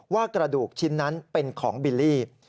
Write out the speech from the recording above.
ว่ากระดูกชิ้นนั้นเป็นของบิลลี่